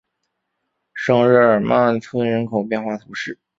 圣日耳曼村人口变化图示